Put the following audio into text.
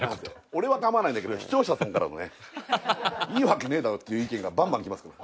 俺は構わないんだけど視聴者さんからのねいいわけねえだろっていう意見がバンバン来ますから。